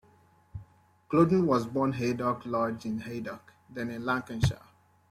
Claughton was born Haydock Lodge in Haydock, then in Lancashire.